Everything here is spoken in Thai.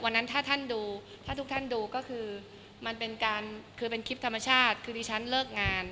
วันนั้นถ้าท่านดูถ้าทุกท่านดูก็คือมันเป็นการคือเป็นคลิปธรรมชาติคือดิฉันเลิกงาน